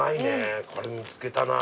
これ見つけたな。